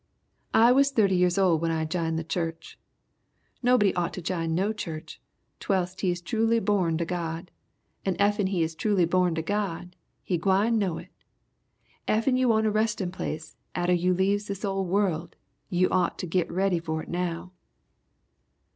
"I was thirty years old when I jined the church. Nobody ought to jine no church twels't he is truly borned of God, and effen he is truly borned of God he gwine know it. Effen you want a restin' place atter you leaves this old world you ought to git ready for it now!